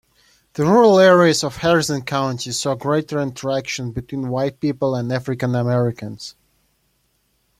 The rural areas of Harrison County saw greater interaction between white people and African-Americans.